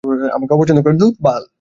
আমাকে অপছন্দ করেন, হ্যাঁ?